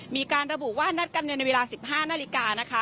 มีการระบุว่านัดการเงินในเวลา๑๕นาฬิกานะคะ